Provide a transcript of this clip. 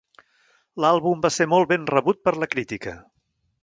L'àlbum va ser molt ben rebut per la crítica.